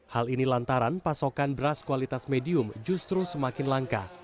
hal ini lantaran pasokan beras kualitas medium justru semakin langka